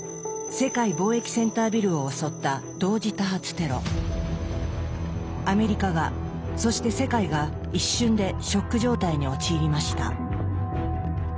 世界貿易センタービルを襲ったアメリカがそして世界が一瞬でショック状態に陥りました。